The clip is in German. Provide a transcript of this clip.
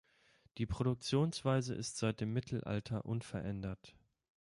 Die Produktionsweise ist seit dem Mittelalter unverändert.